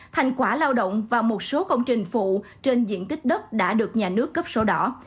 thành quả lao động và một số công trình phụ trên diện tích đất đã được nhà nước cấp sổ đỏ